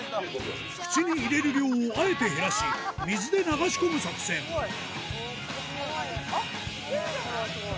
口に入れる量をあえて減らし水で流し込む作戦あっいけるんじゃない？